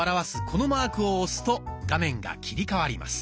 このマークを押すと画面が切り替わります。